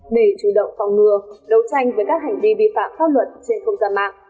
để chủ động phòng ngừa đấu tranh với các hành vi vi phạm pháp luật trên không gian mạng